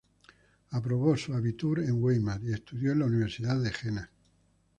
Aprobó su "abitur" en Weimar y estudió en la Universidad de Jena.